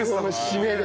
締めで。